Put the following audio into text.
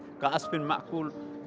al quran sangat berkata